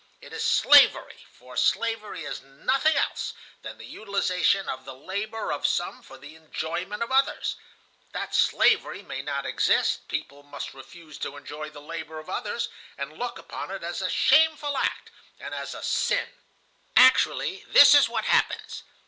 It is slavery, for slavery is nothing else than the utilization of the labor of some for the enjoyment of others. That slavery may not exist people must refuse to enjoy the labor of others, and look upon it as a shameful act and as a sin. [*] A suburb of Moscow. "Actually, this is what happens.